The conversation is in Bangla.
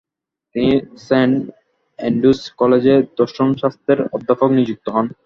তিনি সেন্ট অ্যান্ড্রুজ কলেজে দর্শনশাস্ত্রের অধ্যাপক নিযুক্ত হন।